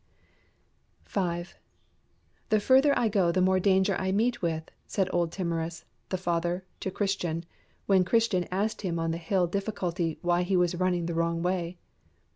5. "The further I go the more danger I meet with," said old Timorous, the father, to Christian, when Christian asked him on the Hill Difficulty why he was running the wrong way.